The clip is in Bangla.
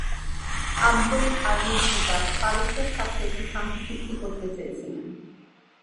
আবদুল আজিজ হুতাক পারস্যের সাথে একটি শান্তিচুক্তি করতে চেয়েছিলেন।